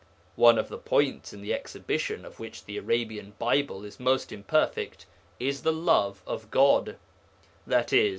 One of the points in the exhibition of which the Arabian Bible is most imperfect is the love of God, i.e.